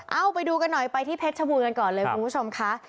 เอาไปดูกันหน่อยไปที่เพชรชบูรณ์กันก่อนเลยคุณผู้ชมค่ะ